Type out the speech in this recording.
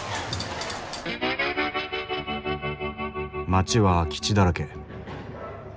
街は空き地だらけ。